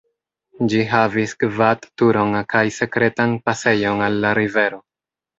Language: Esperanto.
Ĝi havis gvat-turon kaj sekretan pasejon al la rivero.